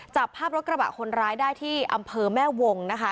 จับภาพรถกระบะคนร้ายได้ที่อำเภอแม่วงนะคะ